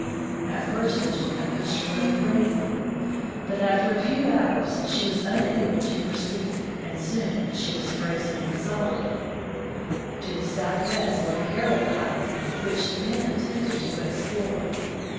At first the Jeannette pushed her way bravely, but after a few hours she was unable to proceed, and soon she was frozen in solidly. VOYAGE OF THE JEANNETTE 75 To the southwest lay Herald island, which the men attempted to explore.